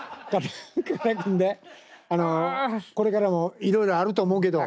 ああこれからもいろいろあると思うけど。